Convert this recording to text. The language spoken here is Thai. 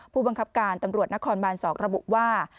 ผู้บังคับการตำรวจนครบาน๒ระบุว่า